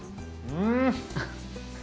うん！